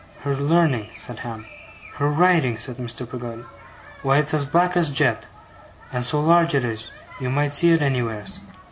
'Her learning!' said Ham. 'Her writing!' said Mr. Peggotty. 'Why it's as black as jet! And so large it is, you might see it anywheres.